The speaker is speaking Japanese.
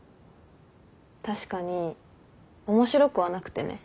確かに面白くはなくてね。